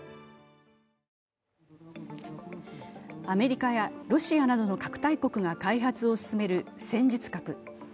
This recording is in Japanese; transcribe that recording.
アメリカやロシアなどの核大国が開発を進める戦術核。